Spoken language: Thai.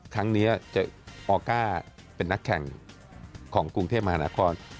ครั้งนี้จะออก้าเป็นนักแข่งของกรุงเทพมหานคร